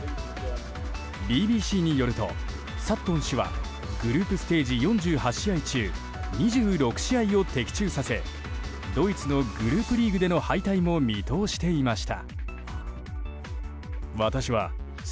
ＢＢＣによると、サットン氏はグループステージ４８試合中２６試合を的中させドイツのグループリーグでの敗退も見通していました。